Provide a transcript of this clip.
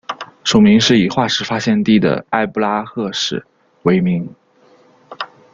属名是以化石发现地的埃布拉赫市为名。